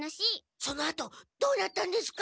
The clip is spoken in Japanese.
そのあとどうなったんですか？